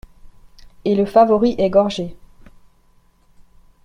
Et le favori est gorgé.